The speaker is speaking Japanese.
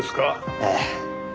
ええ。